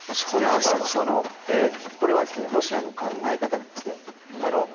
それはロシアの考え方なんです。